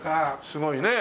すごいね。